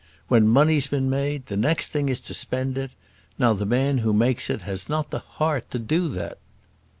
When money's been made, the next thing is to spend it. Now the man who makes it has not the heart to do that."